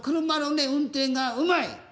車の運転がうまい！